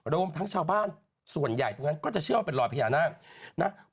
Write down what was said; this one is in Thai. รวมทั้งชาวบ้านส่วนใหญ่ตรงนั้นก็จะเชื่อว่าเป็นรอยพญานาคนะ